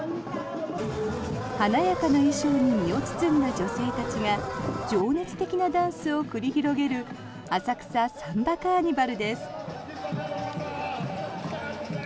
華やかな衣装に身を包んだ女性たちが情熱的なダンスを繰り広げる浅草サンバカーニバルです。